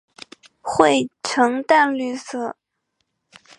喙呈淡绿色。